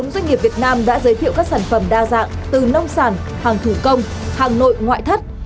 một mươi doanh nghiệp việt nam đã giới thiệu các sản phẩm đa dạng từ nông sản hàng thủ công hàng nội ngoại thất